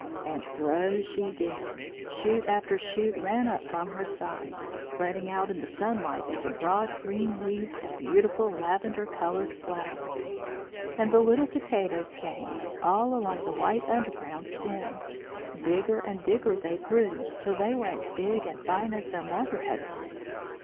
And grow she did. Shoot after shoot ran up from her sides, spreading out in the sunlight into broad green leaves and beautiful lavender coloured flowers. And the little potatoes came, all along the white underground stems. Bigger and bigger they grew, till they were as big and fine as their mother had been.